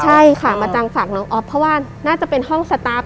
ใช่ค่ะมาจังฝั่งน้องอ๊อฟเพราะว่าน่าจะเป็นห้องสตาร์ฟ